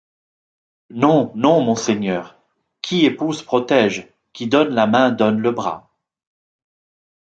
Non, non, monseigneur ; qui épouse protége ; qui donne la main donne le bras.